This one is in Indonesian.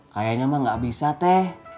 kayaknya mah gak bisa teh